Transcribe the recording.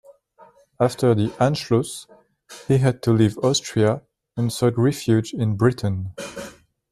After the "Anschluss" he had to leave Austria and sought refuge in Britain.